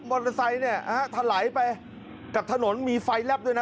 มอเตอร์ไซค์เนี่ยฮะถลายไปกับถนนมีไฟแลบด้วยนะ